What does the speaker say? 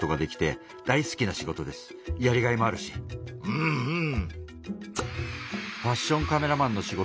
うんうん。